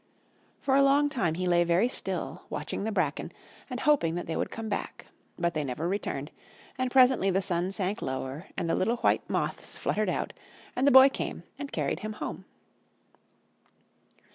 For a long time he lay very still, watching the bracken, and hoping that they would come back. But they never returned, and presently the sun sank lower and the little white moths fluttered out, and the Boy came and carried him home.